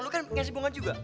lu kan ngasih bunga juga